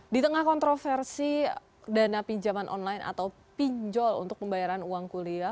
di tengah kontroversi dana pinjaman online atau pinjol untuk pembayaran uang kuliah